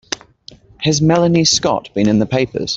Has Melanie Scott been in the papers?